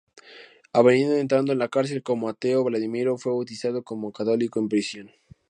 Habiendo entrado a la cárcel como ateo, Vladimiro fue bautizado como católico en prisión.